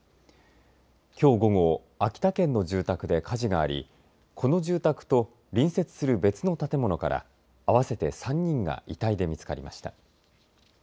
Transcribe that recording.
きょう午後秋田県の住宅で火事がありこの住宅と隣接する別の建物から合わせて３人が遺体で見つかりました。